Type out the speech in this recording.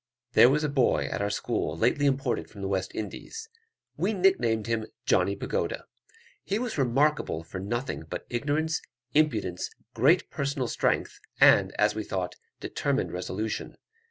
There was a boy at our school lately imported from the East Indies. We nick named him Johnny Pagoda. He was remarkable for nothing but ignorance, impudence, great personal strength, and, as we thought, determined resolution.